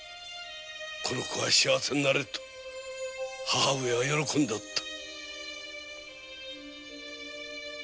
この子は幸せになれる」と母上は喜んでいた。